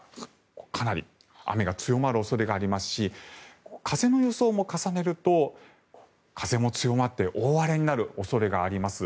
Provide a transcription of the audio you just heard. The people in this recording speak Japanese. かなり雨が強まる恐れがありますし風の予想も重ねると風も強まって大荒れになる恐れがあります。